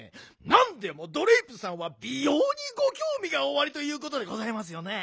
なんでもドレープさんはびようにごきょうみがおありということでございますよね？」。